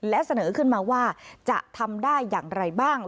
และเสนอขึ้นมาว่าจะทำได้อย่างไรบ้าง